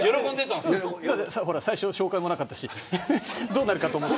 最初、紹介もなかったしどうなるかと思った。